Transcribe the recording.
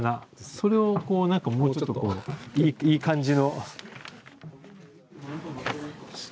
それをこう何かもうちょっといい感じの。